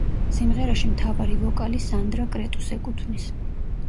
სიმღერაში მთავარი ვოკალი სანდრა კრეტუს ეკუთვნის.